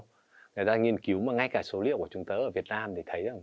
người ta nghiên cứu mà ngay cả số liệu của chúng tôi ở việt nam thì thấy rằng